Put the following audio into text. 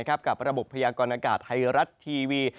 กับระบบพยากรณากาศไทยรัฐทีวี